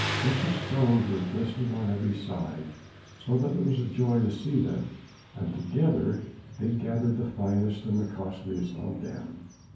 Precious stones were glistening on every side so that it was a joy to see them, and together they gathered the finest and costliest of them.